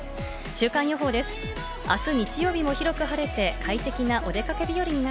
週間予報です。